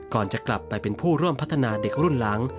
จะกลับไปเป็นผู้ร่วมพัฒนาเด็กรุ่นหลัง